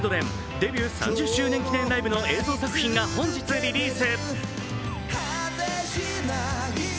デビュー３０周年記念ライブの映像作品が本日リリース。